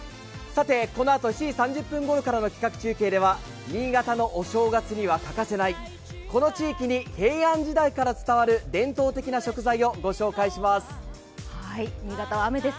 このあと７時３０分ごろからの企画中継では新潟のお正月には欠かせないこの地域に平安時代から伝わる伝統的な食材を御紹介します。